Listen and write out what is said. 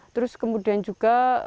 terus kemudian juga